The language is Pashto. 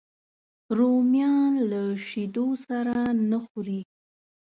رومیان له شیدو سره نه خوري